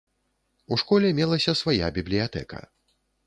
У школе мелася свая бібліятэка.